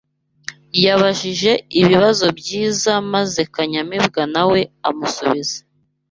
Yabajije ibibazo byiza maze Kanyamibwa na we amusubiza